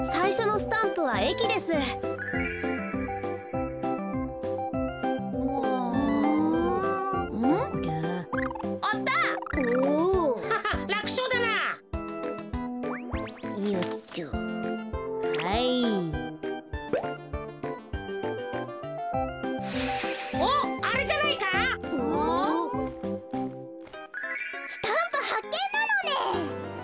スタンプはっけんなのね。